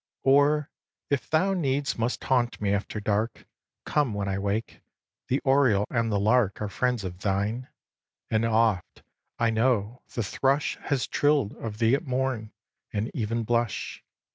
xviii. Or, if thou needs must haunt me after dark, Come when I wake. The oriole and the lark Are friends of thine; and oft, I know, the thrush Has trill'd of thee at morn and even blush.